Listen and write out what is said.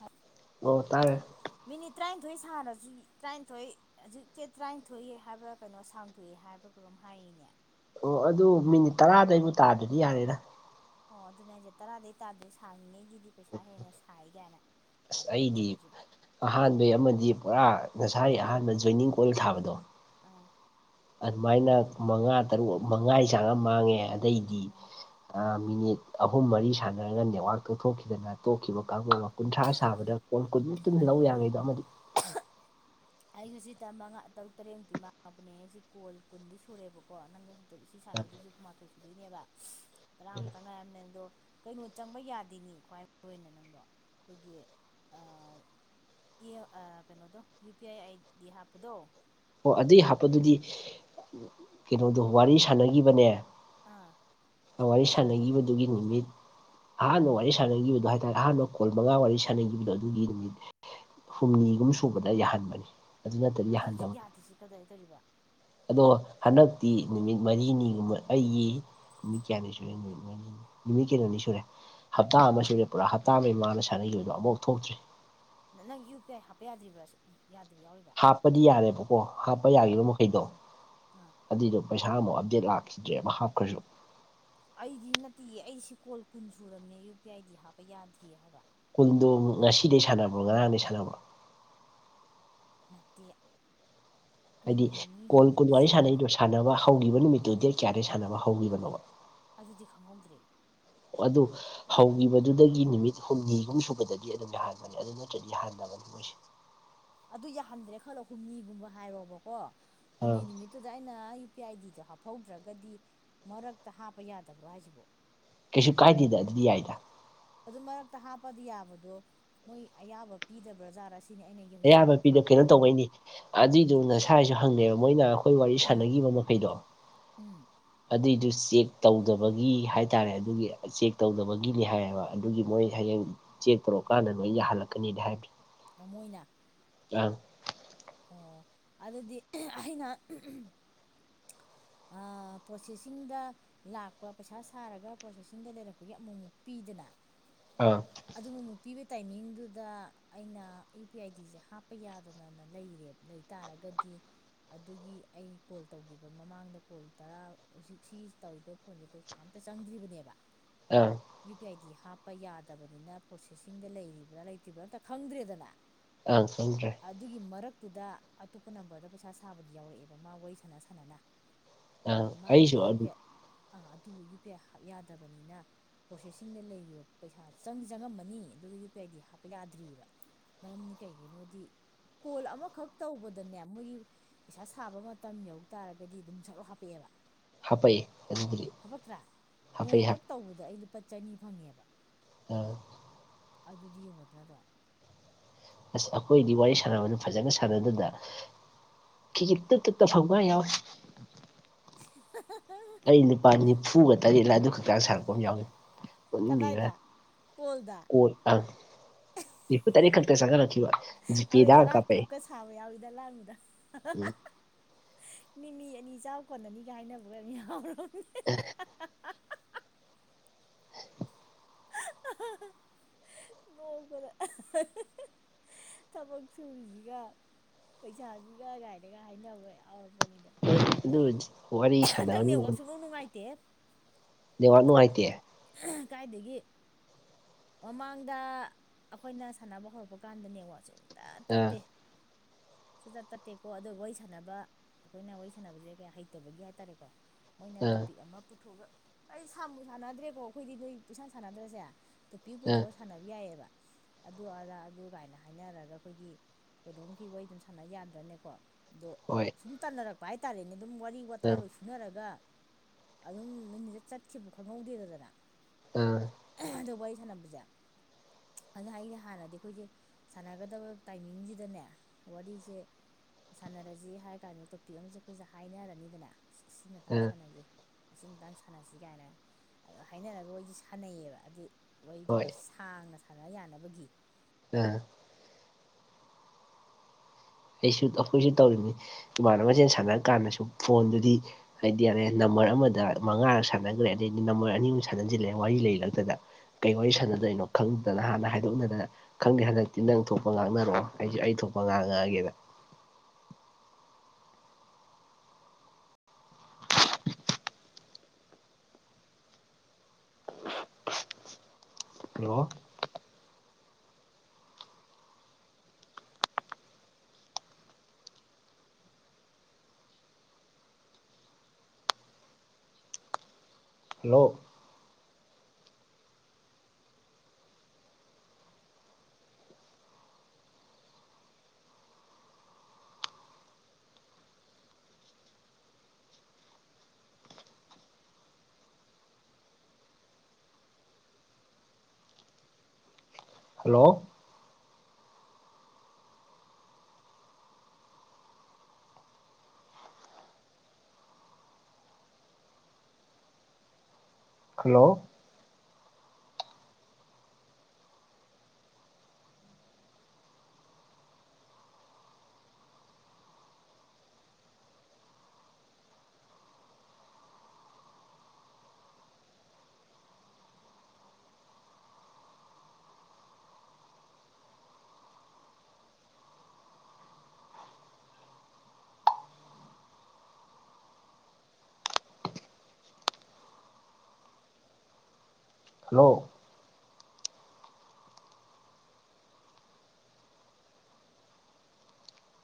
ꯑ ꯑꯣ ꯇꯥꯏꯔ ꯃꯤꯅꯤꯠ ꯇꯔꯥꯅꯤꯊꯣꯏ ꯁꯥꯔꯁꯨ ꯇꯔꯥꯅꯤꯊꯣꯏ ꯍꯧꯖꯤꯛꯁꯦ ꯇꯔꯥꯅꯤꯊꯣꯏꯑꯦ ꯍꯥꯏꯕ꯭ꯔꯥ ꯀꯩꯅꯣ ꯁꯥꯡꯝꯊꯣꯛꯑꯦ ꯍꯥꯏꯕ꯭ꯔꯥꯒꯝ ꯍꯥꯏꯔꯤꯅꯦ ꯑꯣ ꯑꯗꯨ ꯃꯤꯅꯤꯠ ꯇꯔꯥꯗꯏꯕꯨ ꯇꯥꯗꯗꯤ ꯌꯥꯔꯦꯔ ꯑꯣ ꯑꯗꯨꯅ ꯑꯩꯁꯦ ꯇꯔꯥꯗꯩ ꯇꯥꯗꯦ ꯁꯥꯡꯉꯤꯉꯩꯒꯤꯗꯤ ꯄꯩꯁꯥ ꯍꯦꯟꯅ ꯁꯥꯏ ꯀꯥꯏꯅ ꯒ꯭ꯔꯨꯞꯇꯒꯁꯨ ꯑꯍꯥꯟꯕ ꯑꯃꯗꯤ ꯄꯨꯔꯥ ꯉꯁꯥꯏꯒꯤ ꯑꯍꯥꯟꯕ ꯖꯣꯏꯅꯤꯡ ꯀꯣꯜ ꯊꯥꯕꯗꯣ ꯑꯥ ꯑꯗꯨꯃꯥꯏꯅ ꯃꯉꯥ ꯇꯔꯨꯛ ꯃꯉꯥꯒꯤ ꯆꯥꯡ ꯑꯃ ꯃꯥꯡꯉꯦ ꯑꯗꯩꯗꯤ ꯑꯥ ꯃꯤꯅꯤꯠ ꯑꯍꯨꯝ ꯃꯔꯤ ꯁꯥꯟꯅꯔꯒ ꯅꯦꯠꯋꯥꯔꯛ ꯇꯧꯊꯣꯛꯈꯤꯗꯅ ꯇꯣꯛꯈꯤꯕ ꯀꯥꯡꯕꯨ ꯑꯃ ꯀꯨꯟꯊ꯭ꯔꯥ ꯁꯥꯕꯗ ꯀꯣꯟ ꯀꯨꯟꯃꯨꯛꯇꯨ ꯂꯧ ꯌꯥꯉꯩꯗꯣ ꯑꯃꯗꯤ ꯑꯩꯁꯨ ꯁꯤꯉꯥ ꯇꯔꯨꯛ ꯇꯔꯦꯠꯃꯨꯛꯇꯤ ꯃꯥꯡꯉꯕꯅꯦ ꯑꯩ ꯁꯤ ꯀꯣꯜ ꯀꯨꯟꯗꯤ ꯁꯨꯔꯦꯕꯀꯣ ꯅꯪꯒ ꯁꯤ ꯁꯥꯟꯅꯩꯗꯨꯁꯨꯨ ꯀꯨꯟꯃꯥꯊꯣꯏ ꯁꯨꯗꯣꯏꯅꯦꯕ ꯇꯔꯥꯃꯨꯛꯇꯪ ꯉꯥꯏꯔꯝꯅꯦ ꯑꯗꯣ ꯀꯩꯅꯣ ꯆꯪꯕ ꯌꯥꯗꯦꯅꯤ ꯈ꯭ꯋꯥꯏ ꯃꯔꯨ ꯑꯣꯏꯅ ꯅꯪꯕ ꯑꯩꯈꯣꯏꯒꯤ ꯀꯩꯅꯣꯗꯣ ꯌꯨ ꯄꯤ ꯑ ꯑꯗꯤ ꯍꯥꯄꯗꯣ ꯑꯣ ꯑꯗꯨꯏ ꯍꯥꯞꯄꯗꯨꯗꯤ ꯀꯩꯅꯣꯗꯣ ꯋꯥꯔꯤ ꯁꯥꯟꯅꯈꯤꯕꯅꯦ ꯑꯥ ꯋꯥꯔꯤ ꯁꯥꯟꯅꯈꯤꯕꯗꯨꯒꯤ ꯅꯨꯃꯤꯠ ꯑꯍꯥꯟꯕꯅ ꯋꯥꯔꯤ ꯁꯥꯟꯅꯈꯤꯕꯗꯣ ꯍꯥꯏꯇꯥꯔꯦ ꯑꯍꯥꯟꯕ ꯀꯣꯜ ꯃꯉꯥ ꯋꯥꯔꯤ ꯁꯥꯟꯅꯈꯤꯕꯗꯣ ꯑꯗꯨꯒꯤ ꯅꯨꯃꯤꯠ ꯍꯨꯝꯅꯤꯒꯨꯝ ꯁꯨꯕꯗ ꯌꯥꯍꯟꯕꯅꯤ ꯑꯗꯨ ꯅꯠꯇꯗꯤ ꯑꯗꯣ ꯍꯧꯖꯤꯛ ꯌꯥꯍꯟꯗꯕꯅꯤ ꯌꯥꯗꯦꯁꯤ ꯀꯗꯥꯏꯗꯧꯔꯤꯕ ꯑꯗꯣ ꯍꯟꯗꯛꯇꯤ ꯅꯨꯃꯤꯠ ꯃꯔꯤꯅꯤꯒꯨꯝꯕ ꯑꯩꯒꯤ ꯅꯨꯃꯤꯠ ꯀꯌꯥꯅꯤ ꯁꯨꯔꯦ ꯅꯨꯃꯤꯠ ꯅꯨꯃꯤꯠ ꯀꯩꯅꯣꯅꯤ ꯁꯨꯔꯦ ꯍꯞꯇꯥ ꯑꯃ ꯁꯨꯔꯦ ꯄꯨꯔꯥ ꯍꯞꯇꯥ ꯑꯃꯒꯤ ꯃꯥꯅ ꯁꯥꯟꯅꯈꯤꯕꯗꯣ ꯑꯃꯨꯐꯥꯎ ꯊꯣꯛꯇ꯭ꯔꯤ ꯅ ꯅꯪ ꯌꯨ ꯄꯤ ꯑꯥꯏ ꯍꯥꯞꯄ ꯌꯥꯗ꯭ꯔꯤꯕ꯭ꯔꯥ ꯌꯥꯗꯕ ꯌꯥꯎꯔꯤꯕ꯭ꯔꯥ ꯍꯥꯞꯄꯗꯤ ꯌꯥꯔꯦꯕꯀꯣ ꯍꯥꯞꯄ ꯌꯥꯔꯣ ꯃꯈꯩꯗꯣ ꯑꯥ ꯑꯗꯨꯏꯗꯣ ꯄꯩꯁꯥ ꯑꯃꯨꯛ ꯑꯞꯗꯦꯗ ꯂꯥꯛꯈꯤꯗ꯭ꯔꯦ ꯑꯃ ꯍꯥꯞꯈ꯭ꯔꯁꯨ ꯑꯩꯗꯤ ꯅꯠꯇꯦꯌꯦ ꯑꯩꯁꯤ ꯀꯣꯜ ꯀꯨꯟ ꯁꯨꯔꯕꯅꯦ ꯌꯨ ꯄꯤ ꯑꯥꯏꯗꯤ ꯍꯥꯞꯄ ꯌꯥꯗ꯭ꯔꯤ ꯍꯥꯏꯕ ꯀꯨꯟꯗꯣ ꯉꯁꯤꯗꯒꯤꯩ ꯁꯥꯟꯅꯕꯣ ꯉꯔꯥꯡꯗꯒꯤꯩ ꯁꯥꯟꯅꯕꯣ ꯅꯠꯇꯦ ꯍꯥꯏꯗꯤ ꯅꯨꯃꯤꯠ ꯅꯤꯅꯤ ꯀꯣꯜ ꯀꯨꯟ ꯍꯨꯝꯅꯤꯃꯨꯛꯇꯤ ꯋꯥꯔꯤꯔꯤ ꯁꯨꯔꯝꯃꯅꯤ ꯁꯥꯟꯅꯔꯤꯗꯣ ꯁꯥꯟꯅꯕ ꯍꯧꯈꯤꯕ ꯅꯨꯃꯤꯠꯇꯨ ꯗꯦꯠ ꯀꯌꯥꯗꯒꯤꯩ ꯁꯥꯟꯅꯕ ꯍꯧꯈꯤꯕꯅꯣꯕ ꯑꯗꯨꯗꯤ ꯈꯪꯍꯧꯗ꯭ꯔꯦ ꯑꯗꯨ ꯍꯧꯈꯤꯕꯗꯨꯗꯒꯤ ꯅꯨꯃꯤꯠ ꯍꯨꯝꯅꯤꯍꯨꯝ ꯁꯨꯕꯗꯒꯤ ꯑꯗꯨꯝ ꯌꯥ ꯍꯥꯟꯕꯅꯦ ꯑꯗꯨ ꯅꯠꯇ꯭ꯔꯗꯤ ꯍꯥꯟꯕꯅꯤ ꯃꯣꯏꯁꯦ ꯑꯗꯨ ꯌꯥꯍꯟꯗ꯭ꯔꯦ ꯈꯜꯂꯣ ꯍꯨꯝꯅꯤꯒꯨꯝꯕ ꯍꯥꯏꯔꯣꯕꯀꯣ ꯍꯨꯝꯅꯤ ꯑꯥ ꯅꯨꯃꯤꯠ ꯑꯗꯨꯗ ꯑꯩꯅ ꯌꯨ ꯄꯤ ꯑꯥꯏ ꯗꯤꯗꯣ ꯍꯥꯞꯍꯧꯗ꯭ꯔꯒꯗꯤ ꯃꯔꯛꯇ ꯍꯥꯞꯄ ꯌꯥꯗꯕ꯭ꯔꯣ ꯍꯥꯏꯁꯤꯕꯣ ꯀꯩꯁꯨ ꯀꯥꯏꯗꯦꯗ ꯑꯗꯨꯗꯤ ꯌꯥꯏꯗ ꯑꯗꯨ ꯃꯔꯛꯇ ꯍꯥꯞꯄꯗꯤ ꯌꯥꯕꯗꯣ ꯃꯣꯏ ꯑꯌꯥꯕ ꯄꯤꯗꯕ꯭ꯔꯥꯖꯥꯠꯔꯥ ꯁꯤꯅꯤ ꯑꯩꯅ ꯑꯌꯥꯕ ꯍꯧꯖꯤꯛꯐꯥꯎ ꯄꯤꯗꯣ ꯍꯥꯞꯄ ꯀꯩꯅꯣ ꯌꯥꯗꯦ ꯇꯧꯧꯕꯩꯅꯤ ꯑꯗꯨꯏꯗꯨ ꯅꯁꯥꯏꯁꯨ ꯍꯪꯉꯦꯕ ꯃꯣꯏꯅ ꯑꯩꯈꯣꯏ ꯋꯥꯔꯤ ꯎꯝ ꯁꯥꯟꯅꯈꯤꯕ ꯃꯈꯩꯗꯣ ꯎꯝ ꯑꯗꯨꯏꯗꯨ ꯆꯦꯛ ꯇꯧꯗꯕꯒꯤ ꯍꯥꯏꯇꯥꯔꯦ ꯑꯗꯨꯒꯤ ꯆꯦꯛ ꯇꯧꯗꯕꯒꯤꯅꯤ ꯍꯥꯏꯌꯦꯕ ꯑꯗꯨꯒꯤ ꯃꯣꯏ ꯍꯌꯦꯡ ꯆꯦ ꯇꯧꯔꯛ ꯀꯥꯟꯗ ꯅꯣꯏ ꯌꯥ ꯍꯜꯂꯛꯀꯅꯤꯅꯦ ꯍꯥꯏꯕ ꯅꯃꯣꯏꯅ ꯑ ꯑꯣ ꯑꯗꯨꯗꯤ ꯑꯩꯅ ꯄ꯭ꯔꯣꯁꯦꯁꯤꯡꯗ ꯂꯥꯛꯄ ꯄꯩꯁꯥ ꯁꯥꯔꯒ ꯄ꯭ꯔꯣꯁꯦꯁꯤꯡꯗ ꯂꯩꯔꯛꯄꯒꯤ ꯑꯃꯨꯛꯃꯨꯛ ꯄꯤꯗꯅ ꯑꯥ ꯑꯗꯨꯕꯨ ꯑꯃꯨꯛ ꯄꯤꯕ ꯇꯥꯏꯃꯤꯡꯗꯨꯗ ꯑꯩꯅ ꯌꯨ ꯄꯤ ꯑꯥꯏ ꯗꯤꯁꯦ ꯍꯥꯞꯄ ꯌꯥꯗꯅꯅ ꯂꯩꯔꯦꯕ ꯂꯩ ꯇꯥꯔꯒꯗꯤ ꯑꯗꯨꯒꯤ ꯑꯩ ꯀꯣꯜ ꯇꯧꯈꯤꯕ ꯃꯃꯥꯡꯗ ꯀꯣꯜ ꯇꯔꯥ ꯍꯧꯖꯤꯛ ꯁꯤ ꯇꯧꯔꯤꯕ ꯐꯣꯟꯁꯦ ꯄꯩꯁꯥ ꯑꯝꯇ ꯆꯪꯗ꯭ꯔꯤꯕꯅꯦꯕ ꯑꯥ ꯌꯨ ꯄꯤ ꯑꯥꯏꯗꯤ ꯍꯥꯞꯄ ꯌꯥꯗꯕꯅꯤꯅ ꯄ꯭ꯔꯣꯁꯦꯁꯤꯡꯗ ꯂꯩꯔꯤꯕ꯭ꯔꯥ ꯂꯩꯇ꯭ꯔꯤꯕ꯭ꯔꯥ ꯑꯝꯇ ꯈꯪꯗ꯭ꯔꯦꯗꯅ ꯑꯪ ꯆꯣꯟ꯭ꯔꯦ ꯑꯗꯨꯒꯤ ꯃꯔꯛꯇꯨꯗ ꯑꯇꯣꯞꯄ ꯅꯝꯕꯔꯗ ꯄꯩꯁꯥ ꯁꯥꯕꯗꯤ ꯌꯥꯎꯔꯛꯑꯦꯕ ꯃꯥ ꯋꯥꯔꯤ ꯁꯥꯟꯅ ꯁꯥꯟꯅꯅ ꯑꯗ ꯑꯪ ꯃꯥꯒꯤꯗꯤ ꯑꯩꯁꯨ ꯌꯨ ꯄꯤ ꯑꯗꯨ ꯑꯥꯏ ꯑꯥ ꯑꯗꯨ ꯌꯨ ꯄꯤ ꯑꯥꯏ ꯍꯥꯞ ꯌꯥꯗꯕꯅꯤꯅ ꯄ꯭ꯔꯣꯁꯦꯁꯤꯡꯗ ꯂꯩꯔꯤꯕ ꯄꯩꯁꯥ ꯆꯪ ꯆꯪꯉꯝꯃꯅꯤ ꯑꯗꯨꯒ ꯌꯨ ꯄꯤ ꯑꯥꯏꯗꯤ ꯍꯥꯞꯄ ꯌꯥꯗ꯭ꯔꯤꯕꯑꯔꯤꯕ ꯃꯔꯝꯗꯤ ꯀꯩꯒꯤꯅꯣꯗꯤ ꯀꯣꯜ ꯑꯃꯈꯛ ꯇꯧꯕꯗꯅꯦ ꯃꯣꯏꯒꯤ ꯄꯩꯁꯥ ꯁꯥꯕ ꯃꯇꯝ ꯃꯇꯝ ꯌꯧ ꯇꯔꯗꯤ ꯑꯗꯨꯝ ꯁꯠꯂꯣ ꯍꯥꯞꯄꯛꯑꯦꯕ ꯍꯥꯄꯛꯏ ꯑꯗꯨꯕꯨꯗꯤ ꯍꯥꯕꯛꯇ꯭ꯔꯥ ꯍꯥꯄꯛꯏ ꯍꯥ ꯅꯣꯡꯃꯀꯛ ꯇꯧꯕꯗ ꯑꯩ ꯂꯨꯄꯥ ꯆꯅꯤ ꯐꯪꯉꯦꯕ ꯎꯝ ꯑꯗꯨꯗꯤ ꯌꯦꯡꯉꯣꯗ ꯅꯠꯇ꯭ꯔꯣ ꯑꯁ ꯑꯩꯈꯣꯏꯗꯤ ꯋꯥꯔꯤ ꯁꯥꯟꯅꯕꯅ ꯐꯖꯅ ꯁꯥꯟꯅꯗꯨꯗ ꯇ ꯇꯠꯇ ꯐꯧꯒ ꯌꯥꯎꯋ [unintelligible] ꯅꯤꯄꯥꯜ ꯅꯤꯐꯨꯒ ꯇꯔꯦꯠꯂ ꯑꯗꯨ ꯈꯛꯇꯥꯡ ꯁꯥꯔꯛꯄ ꯑꯃ ꯌꯥꯎꯏ ꯀꯗꯥꯏꯗ ꯀꯣꯜꯗ ꯀ ꯑ ꯏ ꯇꯅꯤ ꯀꯔꯛꯇ ꯆꯒ ꯀ ꯋꯥ ꯑꯩꯋꯣꯏ ꯇꯔꯥ ꯇꯔꯨꯛꯀ ꯁꯥꯕ ꯌꯥꯎꯋꯤꯗ ꯂꯥꯡꯕꯗ ꯎꯝ ꯃꯤꯃꯤ ꯑꯅꯤ ꯆꯥꯎ ꯀꯣꯟꯅꯅꯤꯒ ꯍꯥꯏꯅꯕꯒ ꯌꯥꯔ ꯅꯣꯡ ꯀꯗ ꯊꯕꯛ ꯁꯨꯔꯤꯁꯤꯒ ꯄꯩꯁꯥꯁꯤꯒ ꯀꯥꯏꯗꯒ ꯍꯥꯏꯅꯕ ꯌꯥꯎꯔꯛꯄꯅꯤꯗ ꯑꯗꯨ ꯋꯥꯔꯤ ꯁꯥꯗꯥꯅꯤ ꯁꯨꯡꯅꯨꯡ ꯅꯨꯡꯉꯥꯏꯇꯦ ꯂꯩꯋꯥꯠ ꯅꯨꯡꯉꯥꯏꯇꯦ ꯀꯥꯏꯗꯒꯤ ꯃꯃꯥꯡꯗ ꯑꯩꯈꯣꯏꯅ ꯁꯥꯟꯅꯕ ꯍꯧꯔꯛꯄ ꯀꯥꯟꯗ ꯅꯦꯠꯋꯥꯛꯁꯨ ꯑꯇ ꯑꯥ ꯇꯠꯇꯦ ꯁꯨꯆꯠ ꯇꯠꯇꯦꯀꯣ ꯑꯗꯨꯒ ꯋꯥꯔꯤ ꯁꯥꯟꯅꯕ ꯑꯩꯈꯣꯏꯅ ꯋꯥꯔꯤ ꯁꯥꯟꯅꯕꯁꯦ ꯀꯌꯥ ꯍꯩꯇꯕꯒꯤ ꯍꯥꯏꯇꯥꯔꯦꯀꯣ ꯃꯣꯏꯅ ꯑꯥ ꯇꯣꯄꯤꯛ ꯑꯃ ꯄꯨꯊꯣꯛꯑꯒ ꯑꯩ ꯁꯕꯨ ꯁꯥꯟꯅꯗ꯭ꯔꯦꯀꯣ ꯑꯩꯈꯣꯏꯗꯤ ꯅꯣꯏ ꯄꯨꯩꯁꯥꯟ ꯁꯥꯟꯅꯗ꯭ꯔꯁꯦ ꯇꯣꯞꯄꯤ ꯑꯥ ꯄꯨꯊꯣꯛꯑ ꯁꯥꯟꯅꯕ ꯌꯥꯏꯑꯕ ꯑꯗꯨ ꯑꯗꯥ ꯑꯗꯨ ꯀꯥꯏꯅ ꯍꯥꯏꯅꯔꯒ ꯑꯩꯈꯣꯏꯒꯤ ꯀꯩꯅꯣꯝꯒꯤ ꯋꯥꯔꯤ ꯑꯗꯨꯝ ꯁꯥꯟꯅ ꯌꯥꯗ꯭ꯔꯅꯦꯀꯣ ꯑꯗꯣ ꯍꯣꯏ ꯁꯨꯝ ꯇꯥꯟꯅꯔꯛꯄ ꯍꯥꯏꯇꯥꯔꯦꯅꯦ ꯑꯗꯨꯝ ꯋꯥꯔꯤ ꯋꯥꯇꯥꯏ ꯑꯥ ꯑꯣꯏ ꯐꯨꯅꯔꯒ ꯑꯗꯨꯝ ꯃꯤꯅꯤꯠꯇ ꯆꯠꯈꯤꯕ ꯈꯪꯍꯧꯗꯦꯗꯗꯅ ꯎꯝ ꯑꯗꯨꯕꯥꯩ ꯁꯅꯥꯝ ꯄꯨꯖꯥ ꯑꯗꯨ ꯍꯥꯏꯗꯤ ꯍꯥꯟꯅꯗꯤ ꯑꯩꯈꯣꯏꯁꯦ ꯁꯥꯟꯅꯒꯗꯕ ꯇꯥꯏꯃꯤꯡꯁꯤꯗꯅꯦ ꯋꯥꯔꯤꯁꯦ ꯁꯥꯟꯅꯔꯁꯤ ꯍꯥꯏ ꯀꯥꯟꯗ ꯇꯣꯄꯤꯛ ꯑꯃꯁꯦ ꯑꯩꯈꯣꯏꯁꯦ ꯍꯥꯏꯅꯔꯅꯤꯗꯅ ꯁꯤ ꯃꯇꯥꯡ ꯑꯥ ꯁꯥꯟꯅꯁꯦ ꯑꯁꯤ ꯃꯇꯇꯥꯡ ꯁꯥꯟꯅꯁꯤ ꯀꯥꯏꯅ ꯑꯗꯣ ꯍꯥꯏꯅꯔꯒ ꯋꯥꯔꯤꯁꯤ ꯁꯥꯟꯅꯩꯌꯦꯕ ꯑꯗꯨ ꯋꯥꯔꯤꯗꯣ ꯍꯣꯏ ꯈꯔ ꯁꯥꯡꯅ ꯁꯥꯟꯅ ꯌꯥꯅꯕꯒꯤ ꯑ ꯑꯩꯁꯨ ꯑꯩꯈꯣꯏꯁꯨ ꯇꯧꯔꯤꯅꯤ ꯏꯃꯥꯟꯅꯕꯁꯦꯜ ꯁꯥꯟꯅꯔ ꯀꯥꯟꯗꯁꯨ ꯐꯣꯟꯗꯨꯗꯤ ꯍꯥꯏꯗꯤ ꯌꯥꯔꯦ ꯅꯝꯕꯔ ꯑꯃꯗ ꯃꯉꯥꯔ ꯁꯥꯟꯅꯈ꯭ꯔꯦ ꯑꯗꯩꯗꯤ ꯅꯝꯕꯔ ꯑꯅꯤꯃꯨꯛ ꯁꯥꯟꯅꯁꯤꯜꯂꯛꯑꯦ ꯋꯥꯔꯤ ꯂꯩꯂꯛꯇꯗ ꯀꯩ ꯋꯥꯔꯤ ꯁꯥꯟꯅꯗꯣꯏꯅꯣ ꯈꯪꯗꯗꯅ ꯍꯥꯟꯅ ꯍꯥꯏꯗꯣꯛꯅꯗꯅ ꯈꯪꯗꯦ ꯍꯟꯗꯛꯇꯤ ꯅꯪ ꯊꯣꯛꯄ ꯉꯥꯡꯅꯔꯛꯑꯣ ꯑꯩꯁꯨ ꯑꯩ ꯊꯣꯛꯄ ꯉꯥꯡꯉꯛꯑꯒꯦꯅ hello hello hello hello hello